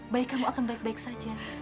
baik kamu akan baik baik saja